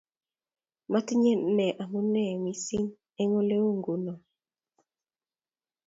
matinye ne amua mising eng' ole u nguno